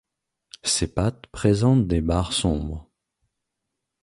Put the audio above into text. Ses pattes présentent des barres sombres.